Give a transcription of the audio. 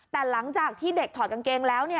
แต่หลังจากที่เด็กถอดกางเกงแล้ว